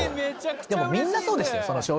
でもみんなそうでしたよ正直。